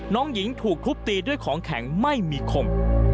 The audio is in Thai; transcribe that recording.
น้องหญิงถูกทุบตีด้วยของแข็งไม่มีคม